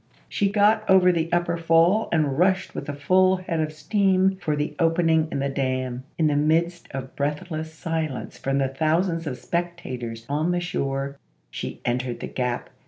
She got over the upper fall and rushed with a full head of steam for the opening in the dam. In the midst of breathless silence from the thou sands of spectators on the shore, " she entered the gap